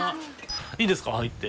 いいですか入って。